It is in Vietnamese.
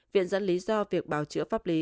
viện dẫn lý do việc bảo chữa pháp lý